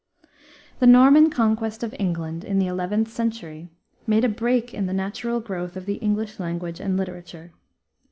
The Norman conquest of England, in the 11th century, made a break in the natural growth of the English language and literature.